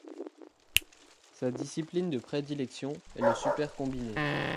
Sa discipline de prédilection est le super combiné.